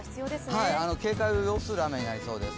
警戒を要する雨になりそうです。